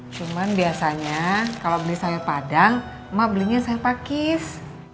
cuman biasanya kalau beli sayur padang ma belinya sayur pakis